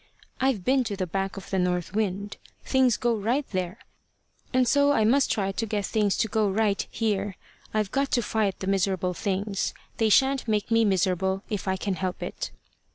I've been to the back of the north wind. Things go right there, and so I must try to get things to go right here. I've got to fight the miserable things. They shan't make me miserable if I can help it."